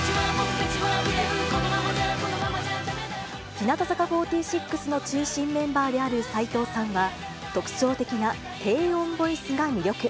日向坂４６の中心メンバーである齊藤さんは、特徴的な低音ボイスが魅力。